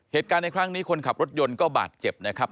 เหตุการณ์ในครั้งนี้คนขับรถยนต์ก็บาดเจ็บนะครับ